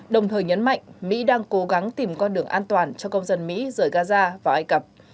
đồng thời nhấn mạnh mỹ đang cố gắng tìm con đường an toàn cho công dân mỹ rời gaza vào ai cập